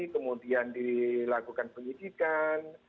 kemudian dilakukan penyidikan